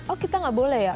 oh kita nggak boleh ya